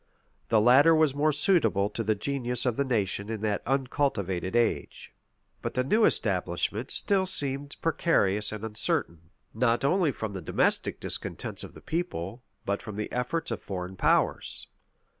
The latter was more suitable to the genius of the nation in that uncultivated age. But the new establishment still seemed precarious and uncertain; not only from the domestic discontents of the people, but from the efforts of foreign powers.